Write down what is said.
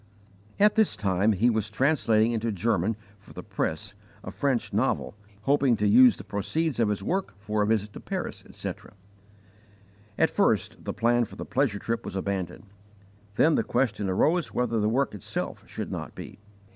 At this time he was translating into German for the press a French novel, hoping to use the proceeds of his work for a visit to Paris, etc. At first the plan for the pleasure trip was abandoned, then the question arose whether the work itself should not be.